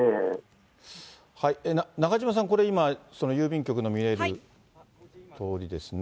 中島さん、これ今、その郵便局の見える通りですね。